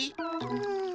うん。